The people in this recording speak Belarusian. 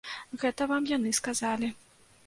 Гэта вам яны сказалі.